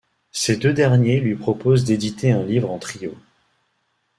Ces deux derniers lui proposent d'éditer un livre en trio.